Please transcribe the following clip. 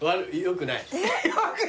よくなく！